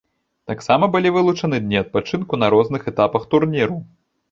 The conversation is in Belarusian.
Таксама былі вылучаны дні адпачынку на розных этапах турніру.